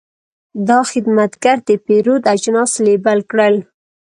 دا خدمتګر د پیرود اجناس لیبل کړل.